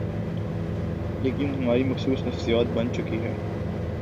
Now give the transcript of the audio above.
لیکن ہماری مخصوص نفسیات بن چکی ہے۔